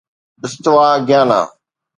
استوا گيانا